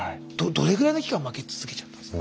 どれぐらいの期間負け続けちゃったんですか。